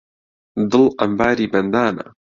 دڵ عەمباری بەندانە